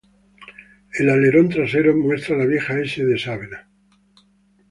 El alerón trasero muestra la vieja "S" de Sabena.